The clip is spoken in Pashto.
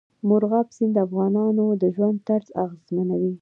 مورغاب سیند د افغانانو د ژوند طرز اغېزمنوي.